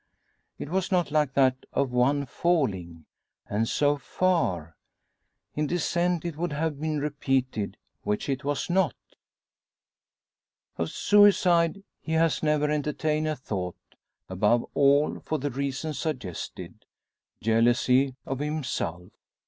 It was not like that of one falling, and so far. In descent it would have been repeated, which it was not! Of suicide he has never entertained a thought above all, for the reason suggested jealousy of himself.